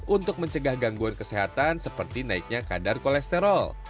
untuk mencegah gangguan kesehatan seperti naiknya kadar kolesterol